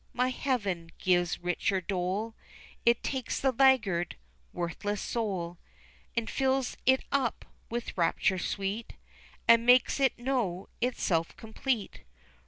my heaven gives richer dole, It takes the laggard, worthless soul, And fills it up with rapture sweet, And makes it know itself complete.